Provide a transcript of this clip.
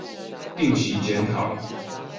定期檢討